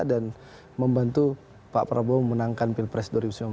dan membantu pak prabowo memenangkan pilpres dua ribu sembilan belas